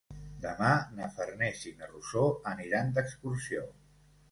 Demà na Farners i na Rosó aniran d'excursió.